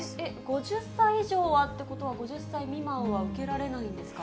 ５０歳以上はということは、５０歳未満は受けられないんですか？